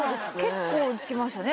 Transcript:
結構いきましたね